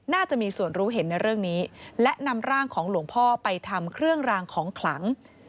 น่าจะมีส่วนรู้เห็นในเรื่องนี้และนำร่างของหลวงพ่อไปทำเครื่องรางของขลัง